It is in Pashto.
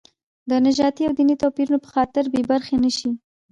د نژادي او دیني توپیرونو په خاطر بې برخې نه شي.